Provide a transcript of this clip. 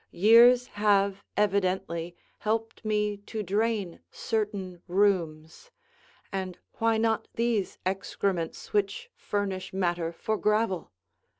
Years have evidently helped me to drain certain rheums; and why not these excrements which furnish matter for gravel?